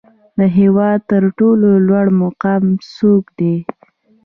د هیواد تر ټولو لوړ مقام څوک دی؟